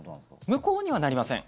無効にはなりません。